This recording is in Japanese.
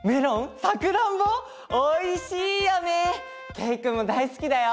けいくんもだいすきだよ。